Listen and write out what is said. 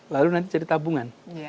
lalu nanti jadi tabungan